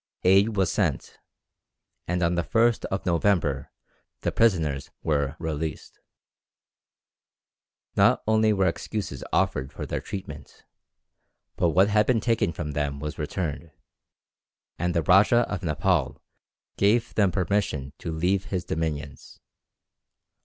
Aid was sent, and on the 1st of November the prisoners were released. Not only were excuses offered for their treatment, but what had been taken from them was returned, and the Rajah of Nepaul gave them permission to leave his dominions.